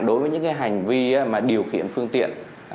đối với những hành vi điều khiển phương tiện